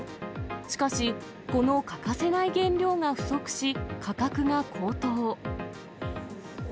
しかし、この欠かせない原料が不足し、価格が高騰。